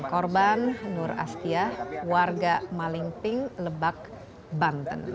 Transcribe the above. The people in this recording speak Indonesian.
korban nur astia warga malingping lebak banten